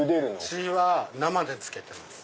うちは生で漬けてます。